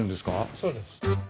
そうです。